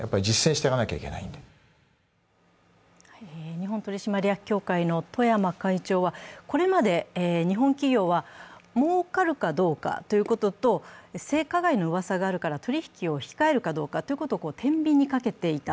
日本取締役協会の冨山会長はこれまで日本企業は儲かるかどうかということと、性加害のうわさがあるから取引を控えるかどうかということをてんびんにかけていた。